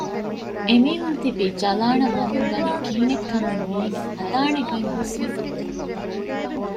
އެމީހުން ތިބީ ޖަލާނަށް ވަމުންދަނީ ކިހިނެއް ކަމެއްކަން ނޭންގި ހަދާނެ ގޮތް ހުސްވެފަ